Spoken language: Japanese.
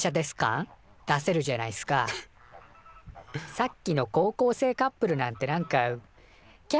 さっきの高校生カップルなんてなんか「きゃ